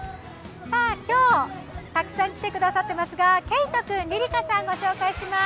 今日、たくさん来てくださってますがけいた君、りりかさんをご紹介します。